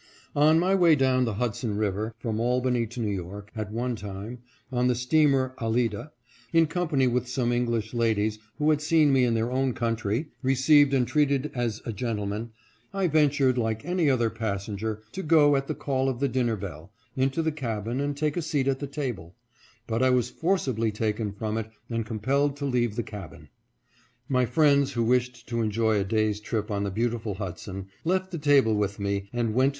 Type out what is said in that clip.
On my way down the Hudson river, from Albany to New York, at one time, on the steamer Alida, in company with some English ladies who had seen me in their own coun try, received and treated as a gentleman, I ventured, like any other passenger, to go, at the call of the dinner bell, into the cabin and take a seat at the table ; but I was forcibly taken from it and compelled to leave the cabin. My friends, who wished to enjoy a day's trip on the beautiful Hudson, left the table with me, and went to 23 560 HUDSON RIVER STEAMBOAT ALIDA.